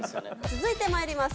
続いてまいります。